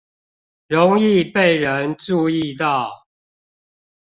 容易被人注意到